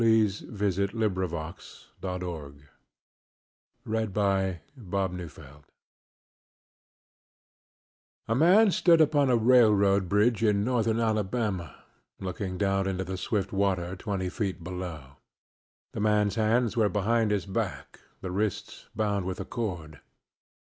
he said. AN OCCURRENCE AT OWL CREEK BRIDGE I A man stood upon a railroad bridge in northern Alabama, looking down into the swift water twenty feet below. The man's hands were behind his back, the wrists bound with a cord.